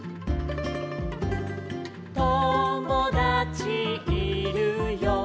「ともだちいるよ」